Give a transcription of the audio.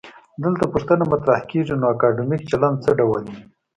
دلته پوښتنه مطرح کيږي: نو اکادمیک چلند څه ډول وي؟